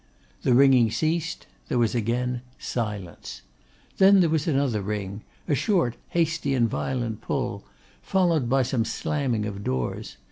The ringing ceased; there was again silence. Then there was another ring; a short, hasty, and violent pull; followed by some slamming of doors.